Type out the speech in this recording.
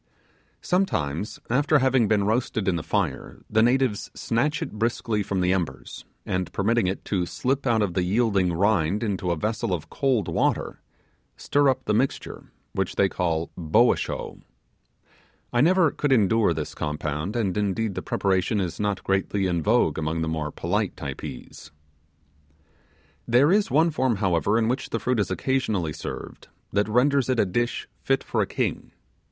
Sometimes after having been roasted in the fire, the natives snatch it briskly from the embers, and permitting it to slip out of the yielding rind into a vessel of cold water, stir up the mixture, which they call 'bo a sho'. I never could endure this compound, and indeed the preparation is not greatly in vogue among the more polite Typees. There is one form, however, in which the fruit is occasionally served, that renders it a dish fit for a king.